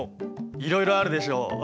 いろいろあるでしょ？